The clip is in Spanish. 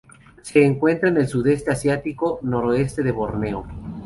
Se encuentra en el Sudeste asiático: noroeste de Borneo.